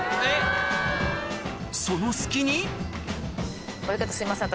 その隙に親方すいません